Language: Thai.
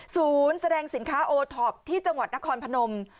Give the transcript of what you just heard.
แสดงสินค้าโอท็อปที่จังหวัดนครพนม